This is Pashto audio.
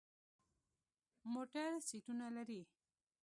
موټر سیټونه لري.